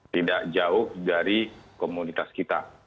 tidak jauh dari komoditas kita